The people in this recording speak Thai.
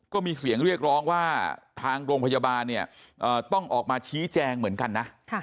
ก็มีเสียงเรียกร้องว่าทางโรงพยาบาลเนี่ยต้องออกมาชี้แจงเหมือนกันนะ